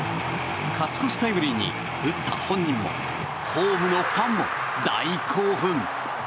勝ち越しタイムリーに打った本人もホームのファンも大興奮！